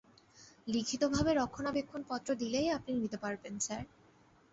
লিখিতভাবে রক্ষণাবেক্ষণ পত্র দিলেই আপনি নিতে পারবেন, স্যার।